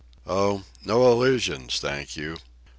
Oh, no illusions, thank you.